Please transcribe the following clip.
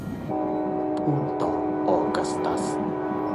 พูดต่อออกัสตัส